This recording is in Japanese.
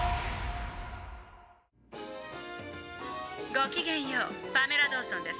「ごきげんようパメラ・ドーソンです。